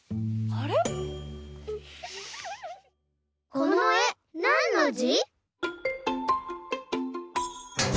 このえなんのじ？